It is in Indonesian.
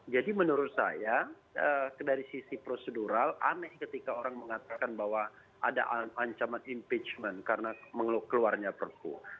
jadi menurut saya dari sisi prosedural aneh ketika orang mengatakan bahwa ada ancaman impeachment karena keluarnya perpu